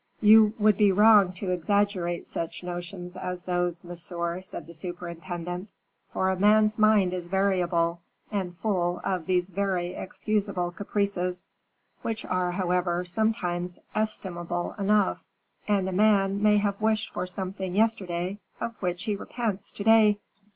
"You would be wrong to exaggerate such notions as those, monsieur," said the superintendent; "for a man's mind is variable, and full of these very excusable caprices, which are, however, sometimes estimable enough; and a man may have wished for something yesterday of which he repents to day."